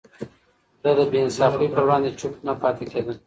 ده د بې انصافي پر وړاندې چوپ نه پاتې کېده.